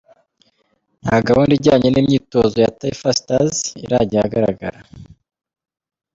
Nta gahunda ijyanye n’imyitozo ya Taifa Stars irajya ahagaragara.